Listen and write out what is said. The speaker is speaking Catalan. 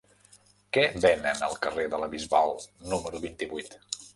Què venen al carrer de la Bisbal número vint-i-vuit?